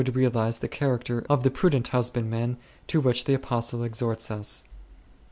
realize the character of the prudent husband man to which the Apostle exhorts us.